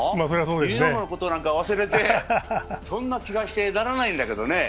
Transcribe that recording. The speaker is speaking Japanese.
ユニフォームのことなんか忘れて、そんな気がしてならないんだけどね。